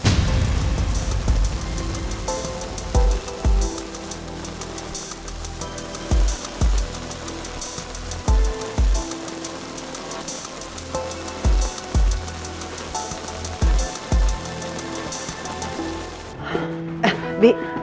bisa bisa dia dendam sama pangeran